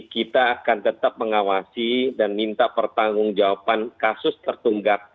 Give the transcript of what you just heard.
kita akan tetap mengawasi dan minta pertanggung jawaban kasus tertunggak